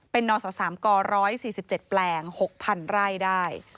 เป็นนศ๓ก๑๔๗แปลง๖๐๐๐ไร่ได้